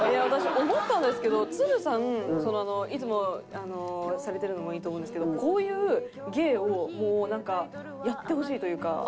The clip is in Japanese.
私思ったんですけどつるさんいつもされてるのもいいと思うんですけどこういう芸をもうなんかやってほしいというか。